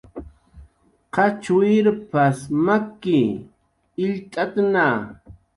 "qachwirp""as maki, illt'atna"